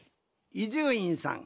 伊集院さん